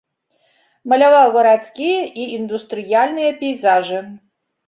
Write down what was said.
Маляваў гарадскія і індустрыяльныя пейзажы.